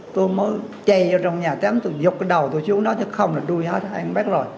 tôi mới chạy vô trong nhà tóm tôi dục cái đầu tôi chú nói chứ không là đuôi hết anh bác rồi